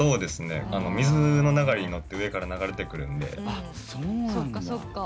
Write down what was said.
水の流れに乗って上から流れてくるんで。